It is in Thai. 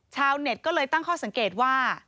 ชาวเน็ตก็เลยตั้งข้อสังเกตว่า